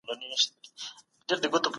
کمپيوټري اصطلاحات پښتو کړئ.